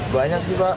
banyak sih pak